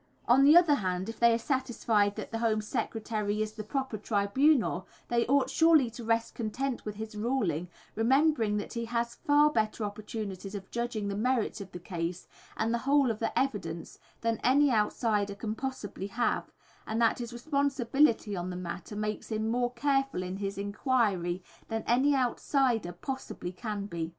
On the other hand, if they are satisfied that the Home Secretary is the proper tribunal, they ought surely to rest content with his ruling, remembering that he has far better opportunities of judging the merits of the case and the whole of the evidence than any outsider can possibly have, and that his responsibility in the matter makes him more careful in his enquiry than any outsider possibly can be.